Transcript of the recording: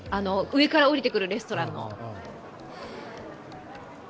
上から下りてくるレストランの。